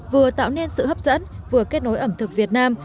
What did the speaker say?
vừa tạo nên sự hấp dẫn vừa kết nối ẩm thực việt nam